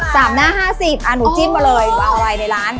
๓หน้า๕๐อ่ะหนูจิ้มมาเลยว่าอะไรในร้าน